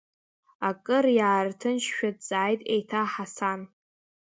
Акыр иаарҭынчшәа дҵааит еиҭа Ҳасан.